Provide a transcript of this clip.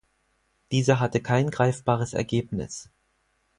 Diese hatte kein greifbares Ergebnis.